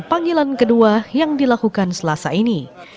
panggilan kedua yang dilakukan selasa ini